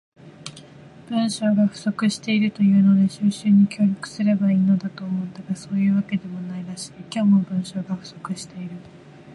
文章が不足しているというので収集に協力すれば良いのだと思ったが、そういうわけでもないらしい。今日も、文章が不足している。